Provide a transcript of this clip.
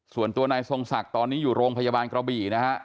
ส่วนตัวนายทรงศักดิ์ตอนนี้อยู่โรงพยาบาลกระบี่นะฮะ